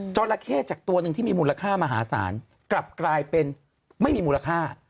ราเข้จากตัวหนึ่งที่มีมูลค่ามหาศาลกลับกลายเป็นไม่มีมูลค่า